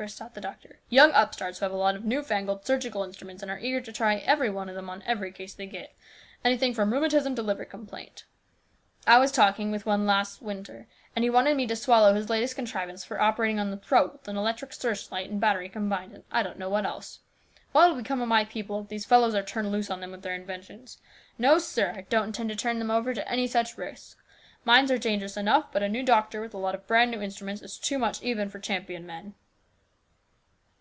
burst out the doctor, "young upstarts who have a lot of new fangled surgical instruments and are eager to try every one of them on every case they get ; anything from rheumatism to liver complaint. I was talking with one last winter, and he wanted me to swallow his latest contrivance for operating on the throat with an electric searchlight and battery combined, and I don't know what else ! What'll become of my people if these fellows are turned loose on them with their inventions ? No, sir ! STEWARDSHIP. 309 I don't intend to turn them over to any such risks. Mines are dangerous enough, but a new doctor with a lot of brand new instruments is too much even for Champion men."